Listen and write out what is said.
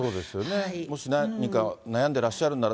もし何か悩んでらっしゃるなら。